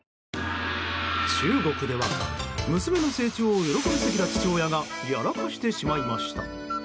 中国では、娘の成長を喜びすぎた父親がやらかしてしまいました。